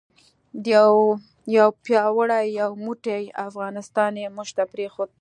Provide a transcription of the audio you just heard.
یو پیاوړی یو موټی افغانستان یې موږ ته پرېښود.